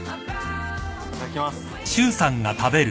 いただきます。